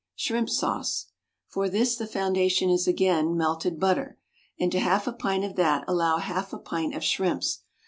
=Shrimp Sauce.= For this the foundation is again "melted butter," and to half a pint of that allow half a pint of shrimps.